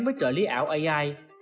với trợ lý ảo ai